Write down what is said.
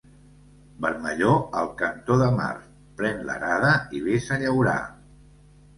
Vermellor al cantó de mar, pren l'arada i ves a llaurar.